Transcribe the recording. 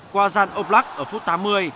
qua gian oblak ở phút tám mươi